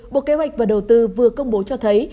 bộ kế hoạch và đầu tư vừa công bố cho thấy